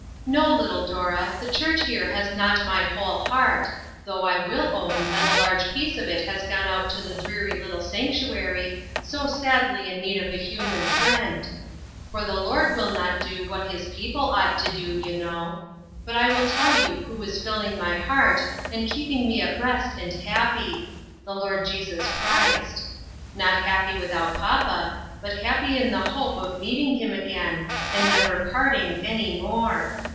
" No, little Dora ; the church here has not my whole heart, though I will own that a large piece of it has gone out to the dreary little sanctuary so sadly in need of a human friend for the Lord will not do SPREADING NETS. 257 what his people ought to do, you know ; but I will tell you who is filling my heart, and keeping me at rest and happy : the Lord Jesus Christ. Not happy without papa, but happy in the sure hope of meet ing him again, and never parting any more.